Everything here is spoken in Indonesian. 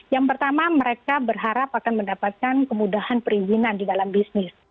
yang pertama mereka berharap akan mendapatkan kemudahan perizinan di dalam bisnis